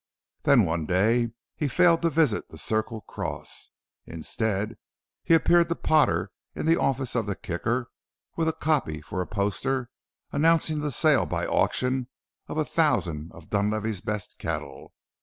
Then one day he failed to visit the Circle Cross. Instead, he appeared to Potter in the office of the Kicker with copy for a poster announcing the sale by auction of a thousand of Dunlavey's best cattle.